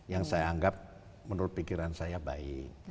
yang saya anggap menurut pikiran saya baik